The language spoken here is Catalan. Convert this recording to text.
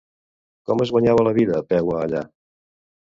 Com es guanyava la vida Peua allà?